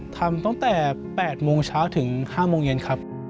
ตั้งแต่๘โมงเช้าถึง๕โมงเย็นครับ